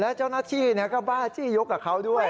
และเจ้าหน้าที่ก็บ้าจี้กกับเขาด้วย